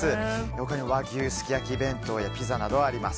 他にも和牛すき焼き弁当やピザなどあります。